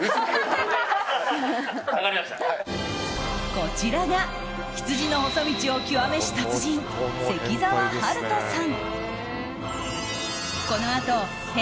こちらが羊の細道を極めし達人関澤波留人さん。